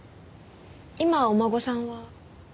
今お孫さんは？